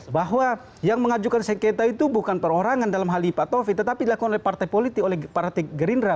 bahwa yang mengajukan sengketa itu bukan perorangan dalam halipatofi tetapi dilakukan oleh partai politik oleh partai gerindra